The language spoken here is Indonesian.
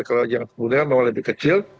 kalau yang kemudian memang lebih kecil